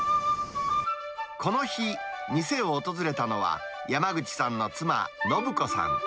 この日、店を訪れたのは、山口さんの妻、宣子さん。